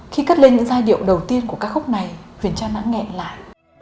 khi cất lên những giai điệu đầu tiên của ca khúc này huyền trang đã nghẹn lại